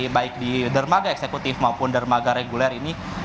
baik di dermaga eksekutif maupun dermaga reguler ini